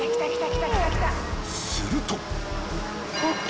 ［すると］